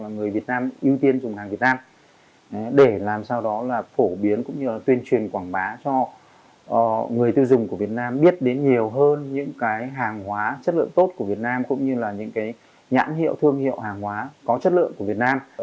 người việt nam ưu tiên dùng hàng việt nam để làm sao đó là phổ biến cũng như là tuyên truyền quảng bá cho người tiêu dùng của việt nam biết đến nhiều hơn những cái hàng hóa chất lượng tốt của việt nam cũng như là những cái nhãn hiệu thương hiệu hàng hóa có chất lượng của việt nam